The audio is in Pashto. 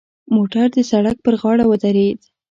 موټر د سړک پر غاړه ودرید.